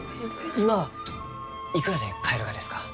今はいくらで買えるがですか？